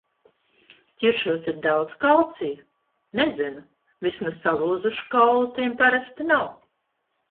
Ķiršos ir daudz kalcija? Nezinu. Vismaz salūzušu kaulu tiem parasti nav!